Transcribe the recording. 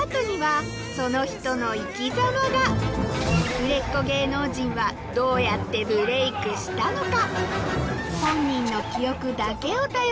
売れっ子芸能人はどうやってブレイクしたのか？